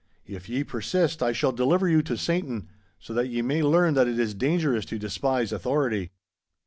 If ye persist, I shall deliver you to Satan, so that ye may learn that it is dangerous to despise authority.